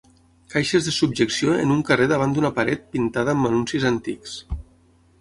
Caixes de subjecció en un carrer davant d'una paret pintada amb anuncis antics.